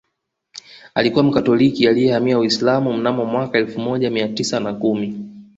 Alikuwa Mkatoliki aliyehamia Uislamu mnamo mwaka elfu moja mia tisa na kumi